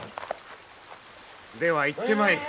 では行ってまいる。